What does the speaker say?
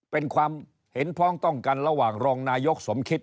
เป็นความเห็นพ้องต้องกันระหว่างรองนายกสมคิต